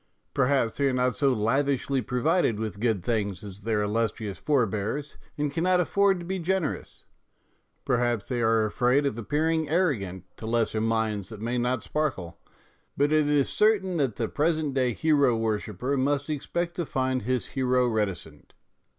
Perhaps they are not so lavishly provided with good things as their illustrious for bears, and cannot afford to be generous ; perhaps they are afraid of appearing arrogant to lesser minds that may not sparkle ; but it is certain that the present day hero worshipper must expect to find his hero reticent.